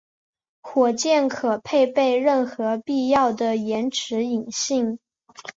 火箭可配备任何必要的延迟引信。